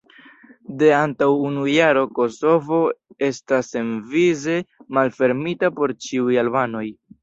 De antaŭ unu jaro, Kosovo estas senvize malfermita por ĉiuj albanoj.